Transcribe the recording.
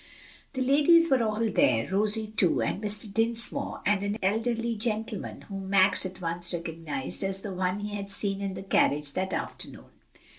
The ladies were all there, Rosie, too, and Mr. Dinsmore, and an elderly gentleman, whom Max at once recognized as the one he had seen in the carriage that afternoon.